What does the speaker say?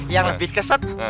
yang lebih keset